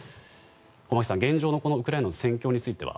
駒木さん、現状のウクライナの戦況については。